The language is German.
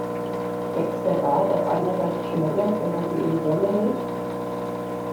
Wächst der Bart auf einer Seite schneller, wenn man sie in die Sonne hält?